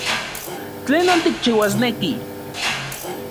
¿Tlenon tikchiuasneki?